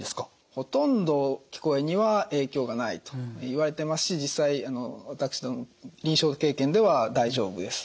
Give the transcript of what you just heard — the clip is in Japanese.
ほとんど聞こえには影響がないといわれてますし実際私ども臨床経験では大丈夫です。